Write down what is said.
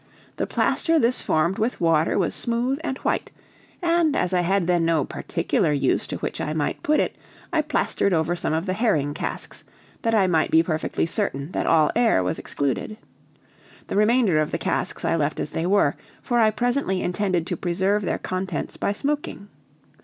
The plaster this formed with water was smooth and white, and as I had then no particular use to which I might put it, I plastered over some of the herring casks, that I might be perfectly certain that all air was excluded. The remainder of the casks I left as they were, for I presently intended to preserve their contents by smoking.